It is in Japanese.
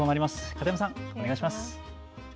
片山さん、お願いします。